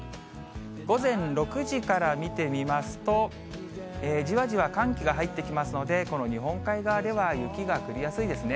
午前６時から見てみますと、じわじわ寒気が入ってきますので、この日本海側では雪が降りやすいですね。